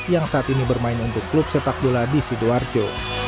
yang saat ini bermain untuk klub sepak bola di sidoarjo